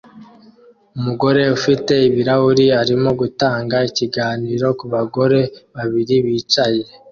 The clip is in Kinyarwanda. Umugore ufite ibirahuri arimo gutanga ikiganiro kubagore babiri bicaye